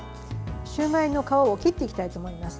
シューマイの皮を切っていきたいと思います。